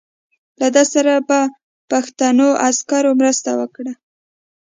له ده سره به پښتنو عسکرو مرسته وکړي.